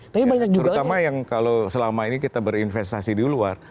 terutama yang kalau selama ini kita berinvestasi di luar